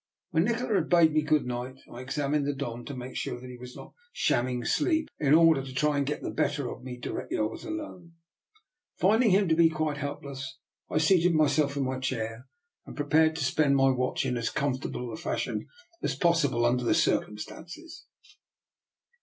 When Nikola had bade me good night, I examined the Don to make sure that he was not shamming sleep in order to try and get DR. NIKOLA'S EXPERIMENT. 299 the better of me directly I was alone. Find ing him to be quite helpless, I seated myself in my chair and prepared to spend my watch in as comfortable a fashion as possible under the circumstances.